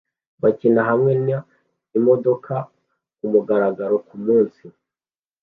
bakina hamwe na imodokas kumugaragaro kumunsi